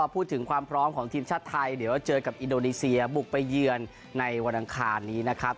พูดถึงความพร้อมของทีมชาติไทยเดี๋ยวเจอกับอินโดนีเซียบุกไปเยือนในวันอังคารนี้นะครับ